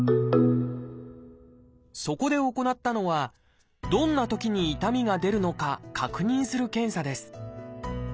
そこで行ったのはどんなときに痛みが出るのか確認する検査です。